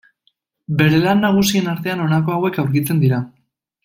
Bere lan nagusien artean honako hauek aurkitzen dira.